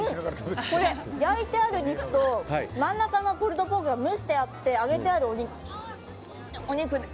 焼いてある肉と真ん中のプルドポークが蒸してあって揚げてあるお肉で。